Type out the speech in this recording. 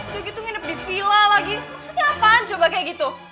udah gitu nginep di vila lagi maksudnya apaan coba kayak gitu